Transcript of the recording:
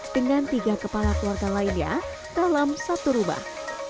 dengan tiga kepala keluarga lainnya dalam satu rumah